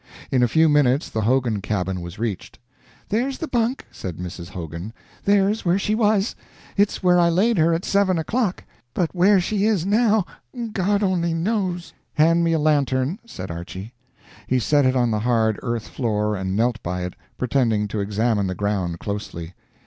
In a few minutes the Hogan cabin was reached. "There's the bunk," said Mrs. Hogan; "there's where she was; it's where I laid her at seven o'clock; but where she is now, God only knows." "Hand me a lantern," said Archy. He set it on the hard earth floor and knelt by it, pretending to examine the ground closely.